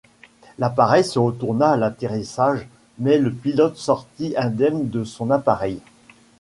L’appareil se retourna à l’atterrissage, mais le pilote sortit indemne de son appareil.